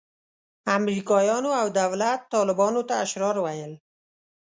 امریکایانو او دولت طالبانو ته اشرار ویل.